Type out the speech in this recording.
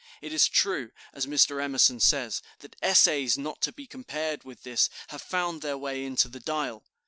It is true, as Mr. Emerson says, that essays not to be compared with this have found their way into the 'Dial.'